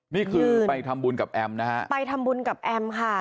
นี่คือไปทำบุญกับแอมนะฮะไปทำบุญกับแอมค่ะ